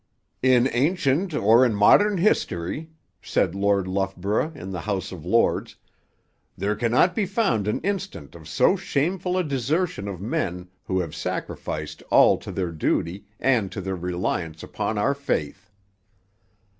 'In ancient or in modern history,' said Lord Loughborough in the House of Lords, 'there cannot be found an instance of so shameful a desertion of men who have sacrificed all to their duty and to their reliance upon our faith.'